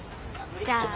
じゃあ。